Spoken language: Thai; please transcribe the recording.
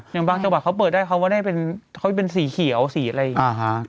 อย่างบางจังหวัดเขาเปิดได้เขาก็ได้เป็นสีเขียวสีอะไรอย่างนี้